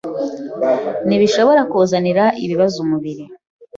ntibishobora kuzanira ibibazo umubiri.